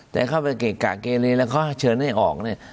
แต่เข้าไปเกะกะเกเลแล้วเขาเชิญให้ออกเนี่ย